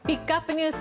ＮＥＷＳ